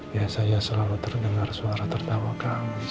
biasanya selalu terdengar suara tertawa kamu